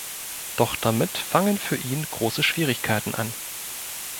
Doch damit fangen für ihn große Schwierigkeiten an.